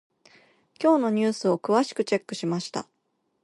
今日のニュースを詳しくチェックしました。